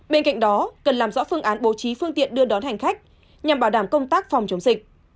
bên cạnh đó cần làm rõ phương án bố trí phương tiện đưa đón hành khách nhằm bảo đảm công tác phòng chống dịch